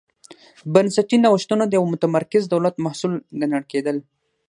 بنسټي نوښتونه د یوه متمرکز دولت محصول ګڼل کېدل.